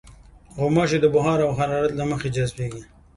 غوماشې د بخار او حرارت له مخې جذبېږي.